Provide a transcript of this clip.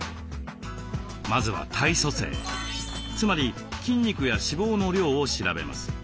まずは体組成つまり筋肉や脂肪の量を調べます。